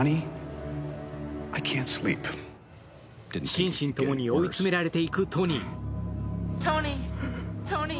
心身ともに追い詰められていくトニー。